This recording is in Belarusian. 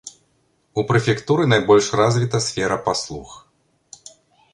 У прэфектуры найбольш развіта сфера паслуг.